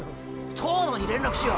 東堂に連絡しよう！